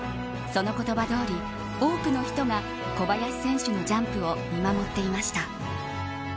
その言葉どおり多くの人が、小林選手のジャンプを見守っていました。